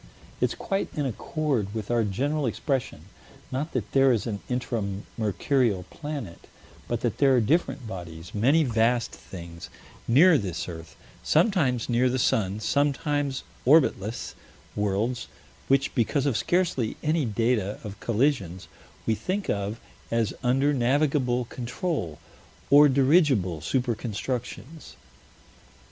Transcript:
It's quite in accord with our general expression: not that there is an Intra Mercurial planet, but that there are different bodies, many vast things; near this earth sometimes, near the sun sometimes; orbitless worlds, which, because of scarcely any data of collisions, we think of as under navigable control or dirigible super constructions.